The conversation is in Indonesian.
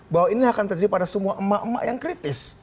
bahwa ini akan terjadi pada semua emak emak yang kritis